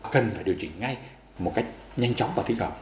cần phải điều chỉnh ngay một cách nhanh chóng và thích hợp